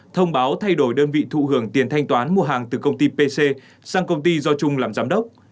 thông báo thay đổi đơn vị thụ hưởng tiền thanh toán mua hàng từ công ty pc sang công ty do trung làm giám đốc